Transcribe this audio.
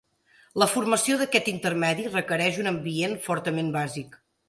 La formació d'aquest intermedi requereix un ambient fortament bàsic.